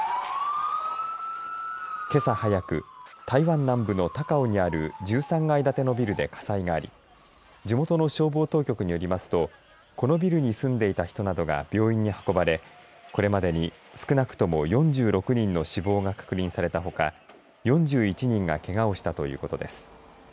けさ早く台湾南部の高雄にある１３階建てのビルで火災があり地元の消防当局によりますとこのビルに住んでいた人などが病院に運ばれ、これまでに少なくとも４６人の死亡が確認されたほか４１人がけがをしたということです。